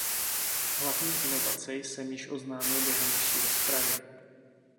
Hlavní inovace jsem již oznámil během naší rozpravy.